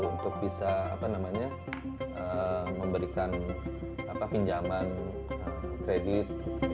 untuk bisa memberikan pinjaman kredit